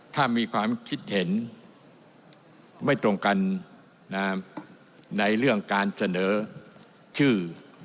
ถ้ามีความคิดเห็นไม่ตรงกันในเรื่องการเสนอชื่อ